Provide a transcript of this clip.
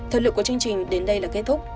thời lượng của chương trình đến đây là kết thúc